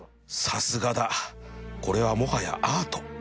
さすがだこれはもはやアート